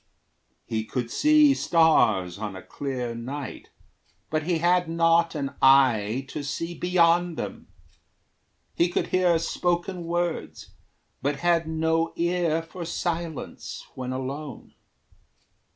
He could see stars, On a clear night, but he had not an eye To see beyond them. He could hear spoken words, But had no ear for silence when alone.